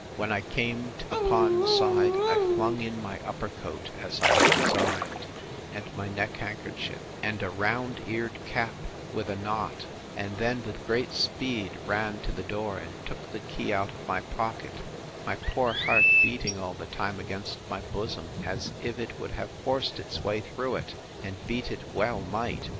When I came to the pond side, I flung in my upper coat, as I had designed, and my neckhandkerchief, and a round eared cap, with a knot; and then with great speed ran to the door, and took the key out of my pocket, my poor heart beating all the time against my bosom, as if it would have forced its way through it: and beat it well might!